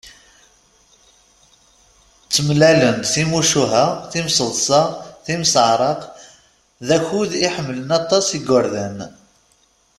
Ttmalen-d timucuha, timseḍsa, timseɛraq, d akud iḥemmlen aṭas yigerdan.